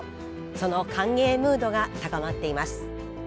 その歓迎ムードが高まっています。